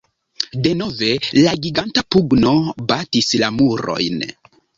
Denove la giganta pugno batis la murojn.